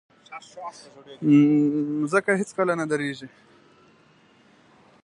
مځکه هیڅکله نه دریږي.